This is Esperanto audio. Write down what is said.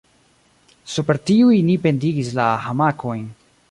Super tiuj ni pendigis la hamakojn.